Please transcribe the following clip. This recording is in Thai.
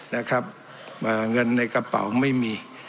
เงินในกระเป๋าไม่มี